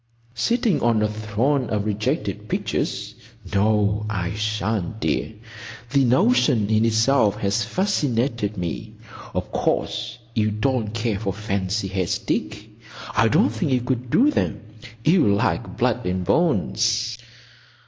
"Sitting on a throne of rejected pictures? No, I shan't, dear. The notion in itself has fascinated me.—Of course you don't care for fancy heads, Dick. I don't think you could do them. You like blood and bones."